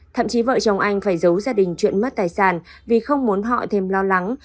thậm chí vợ chồng anh phải giấu gia đình chuyện mất tài sản vì không muốn họ thêm lo lắng